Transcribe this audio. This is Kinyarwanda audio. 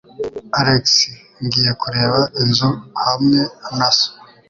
Alex, ngiye kureba inzu hamwe na so.